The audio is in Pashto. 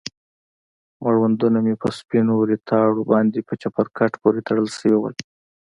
مړوندونه مې په سپينو ريتاړو باندې په چپرکټ پورې تړل سوي وو.